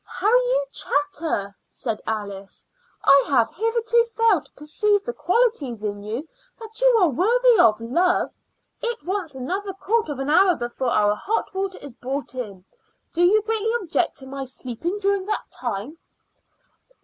"How you chatter!" said Alice. "I have hitherto failed to perceive the qualities in you that are worthy of love. It wants another quarter of an hour before our hot water is brought in. Do you greatly object to my sleeping during that time?"